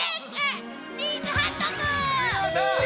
チーズハットグ！